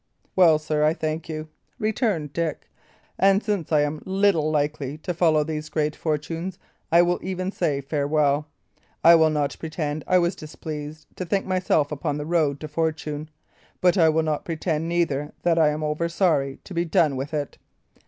"Well, sir, I thank you," returned Dick; "and since I am little likely to follow these great fortunes, I will even say farewell. I will not pretend I was displeased to think myself upon the road to fortune; but I will not pretend, neither, that I am over sorry to be done with it.